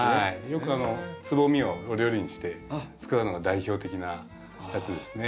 よくつぼみをお料理にして使うのが代表的なやつですね。